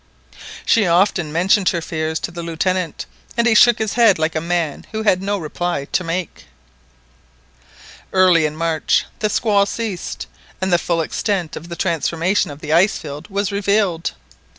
She often mentioned her fears to the Lieutenant, and he shook his head like a man who had no reply to make. Early in March the squall ceased, and the full extent of the transformation of the ice field was revealed.